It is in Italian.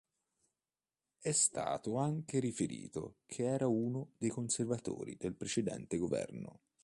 È stato anche riferito che era uno dei conservatori nel precedente governo.